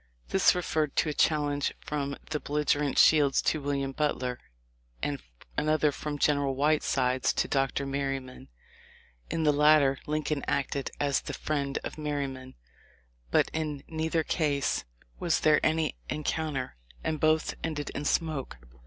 This referred to a challenge from the belligerent Shields to William Butler, and another from General White sides to Dr. Merryman. In the latter, Lincoln acted as the "friend of Merryman," but in neither THE LIFE OF LINCOLX. 225 case was there any encounter, and both ended in smoke.